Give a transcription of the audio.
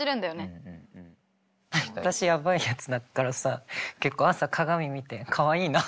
私やばいやつだからさ結構朝鏡見てかわいいなと思って。